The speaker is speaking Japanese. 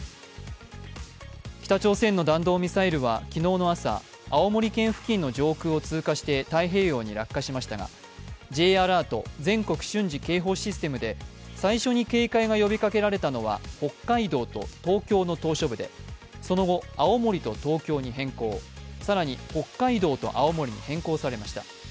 北朝鮮の弾道ミサイルは昨日の朝、青森県付近の上空を通過して太平洋に落下しましたが、Ｊアラート＝全国瞬時警報システムで、最初に警戒が呼びかけられたのは北海道と東京の島しょ部でその後、青森と東京に変更、更に北海道と青森に変更されました。